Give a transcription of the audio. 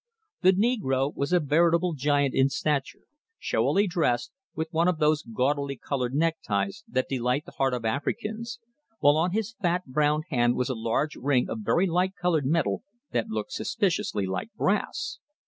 The negro was a veritable giant in stature, showily dressed, with one of those gaudily coloured neckties that delight the heart of Africans, while on his fat brown hand was a large ring of very light coloured metal that looked suspiciously like brass.